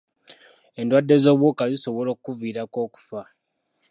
Endwadde z'obuwuka zisobola okuviirako okufa.